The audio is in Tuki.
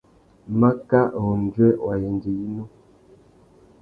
Makâ râ undjuê wa yêndzê yinú.